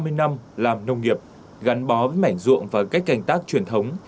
hơn ba mươi năm làm nông nghiệp gắn bó với mảnh ruộng và cách canh tác truyền thống